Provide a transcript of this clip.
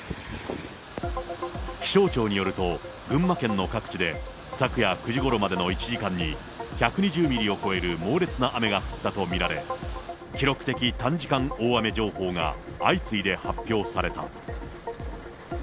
気象庁によると、群馬県の各地で昨夜９時ごろまでの１時間に、１２０ミリを超える猛烈な雨が降ったと見られ、記録的短時間大雨情報が相次いで発表された。